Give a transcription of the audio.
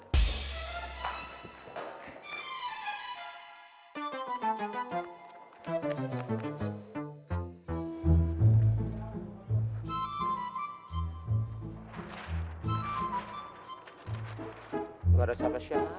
gak ada siapa siapa ya